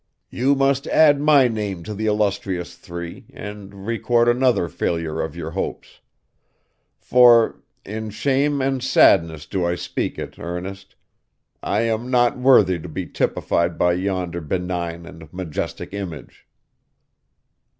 You must add my name to the illustrious three, and record another failure of your hopes. For in shame and sadness do I speak it, Ernest I am not worthy to be typified by yonder benign and majestic image.